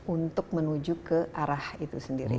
untuk menuju ke arah itu sendiri